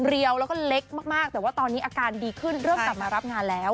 แล้วก็เล็กมากแต่ว่าตอนนี้อาการดีขึ้นเริ่มกลับมารับงานแล้ว